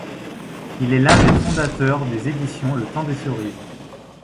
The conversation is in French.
Il est l'un des fondateurs des éditions Le Temps des cerises.